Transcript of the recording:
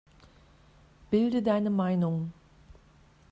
Bilde deine Meinung!